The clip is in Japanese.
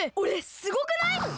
すごくない？